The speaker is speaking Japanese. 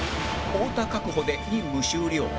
太田確保で任務終了